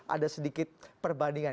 ada sedikit perbandingan